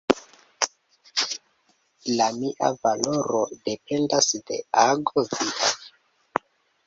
La mia valoro dependas de ago via.